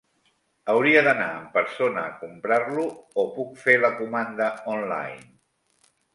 Hauria d'anar en persona a comprar-lo, o puc fer la comanda online?